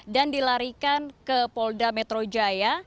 dan dilarikan ke polda metrojaya